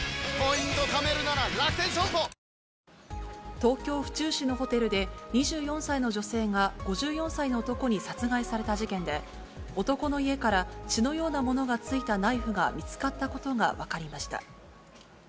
東京・府中市のホテルで、２４歳の女性が５４歳の男に殺害された事件で、男の家から、血のようなものが付いたナイフが見つかったことが分かりました。